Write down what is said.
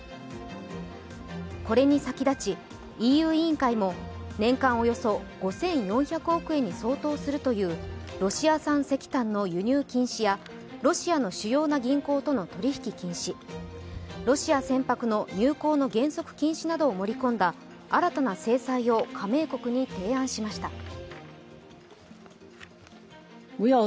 これに先立ち、ＥＵ委員会も年間およそ５４００億円に相当するというロシア産石炭の輸入禁止やロシアの主要な銀行との取引き禁止、ロシア船舶の入港の原則禁止などを盛り込んだ新たな制裁を加盟国に提案しました。